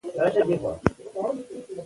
علم حاصلول د هر مسلمان فرض دی.